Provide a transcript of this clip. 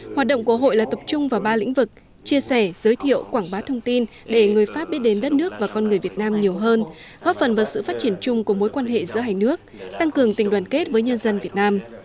hoạt động của hội là tập trung vào ba lĩnh vực chia sẻ giới thiệu quảng bá thông tin để người pháp biết đến đất nước và con người việt nam nhiều hơn góp phần vào sự phát triển chung của mối quan hệ giữa hai nước tăng cường tình đoàn kết với nhân dân việt nam